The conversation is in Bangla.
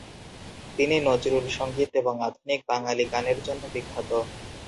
তিনি নজরুল সঙ্গীত এবং আধুনিক বাঙালি গানের জন্য বিখ্যাত।